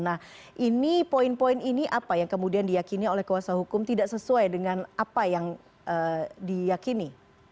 nah ini poin poin ini apa yang kemudian diyakini oleh kuasa hukum tidak sesuai dengan apa yang diyakini